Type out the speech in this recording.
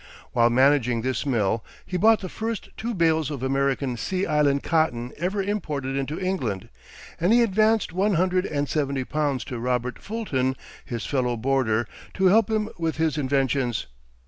While managing this mill he bought the first two bales of American Sea Island cotton ever imported into England, and he advanced one hundred and seventy pounds to Robert Fulton, his fellow boarder, to help him with his inventions.